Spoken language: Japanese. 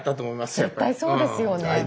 絶対そうですよね。